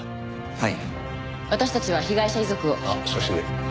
はい。